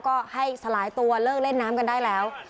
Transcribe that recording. ก็ให้สลายตัวเลิกเล่นน้ำกันได้แล้ว